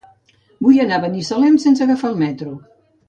Vull anar a Binissalem sense agafar el metro.